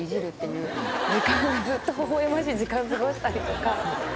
ずっとほほ笑ましい時間過ごしたりとか。